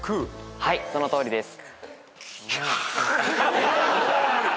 そのとおりです。